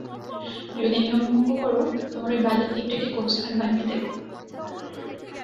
যদি নিয়ম ভঙ্গ করো, তোমার ঐ বালের দ্বীপটাকে গোরস্থান বানিয়ে দেব।